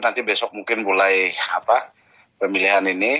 nanti besok mungkin mulai pemilihan ini